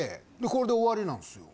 これで終わりなんですよ。